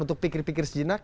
untuk pikir pikir sejenak